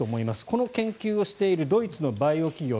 この研究をしている、ドイツのバイオ企業